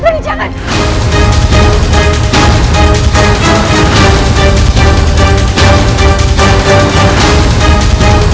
raden raden raden jangan